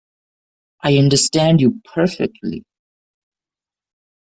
I understand you perfectly.